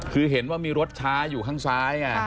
คือเห็นว่ามีรถช้าอยู่ข้างซ้าย